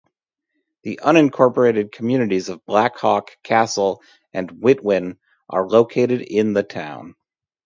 The unincorporated communities of Black Hawk, Cassell, and Witwen are located in the town.